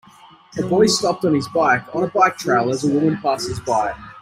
A boy stopped on his bike on a bike trail as a woman passes by